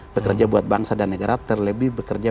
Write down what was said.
bekerja buat bangsa dan negara terlebih bekerja